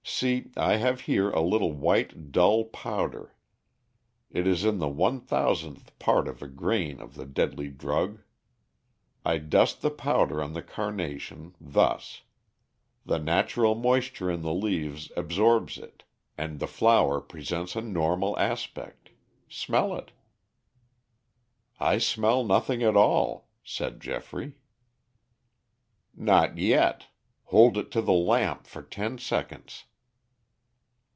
See, I have here a little white, dull powder. In it is the one thousandth part of a grain of the deadly drug. I dust the powder on the carnation, thus. The natural moisture in the leaves absorbs it and the flower presents a normal aspect. Smell it." "I smell nothing at all," said Geoffrey. "Not yet. Hold it to the lamp for ten seconds."